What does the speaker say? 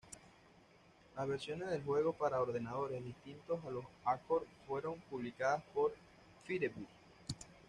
Las versiones del juego para ordenadores distintos a los Acorn fueron publicadas por Firebird.